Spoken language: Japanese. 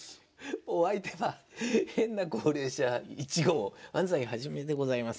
お相手は変な高齢者１号安齋肇でございます。